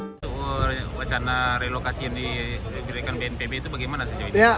bagaimana wacana relokasi yang diberikan bnpb itu bagaimana